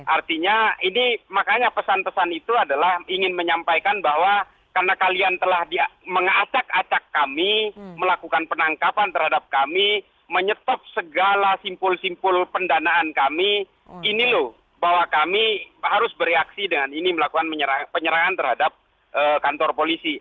artinya ini makanya pesan pesan itu adalah ingin menyampaikan bahwa karena kalian telah mengacak acak kami melakukan penangkapan terhadap kami menyetop segala simpul simpul pendanaan kami ini loh bahwa kami harus bereaksi dengan ini melakukan penyerangan terhadap kantor polisi